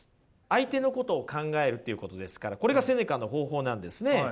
相手のことを考えるっていうことですからこれがセネカの方法なんですね。